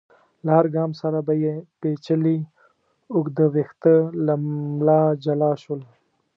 له هر ګام سره به يې پيچلي اوږده ويښته له ملا جلا شول.